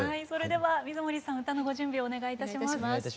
それでは水森さん歌のご準備をお願いいたします。